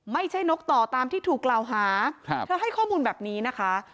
นกต่อตามที่ถูกกล่าวหาเธอให้ข้อมูลแบบนี้นะคะ